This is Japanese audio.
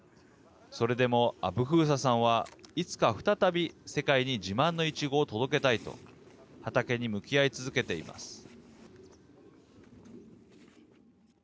それでもアブフーサさんはいつか再び世界に自慢のイチゴを届けたいと畑に向き合い続けています。